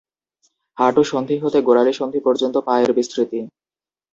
হাঁটু সন্ধি হতে গোড়ালি সন্ধি পর্যন্ত পা এর বিস্তৃতি।